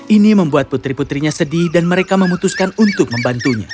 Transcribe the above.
ini membuat putri putrinya sedih dan mereka memutuskan untuk membantunya